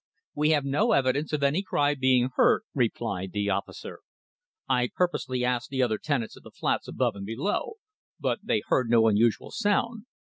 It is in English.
"We have no evidence of any cry being heard," replied the officer. "I purposely asked the other tenants of the flats above and below. But they heard no unusual sound."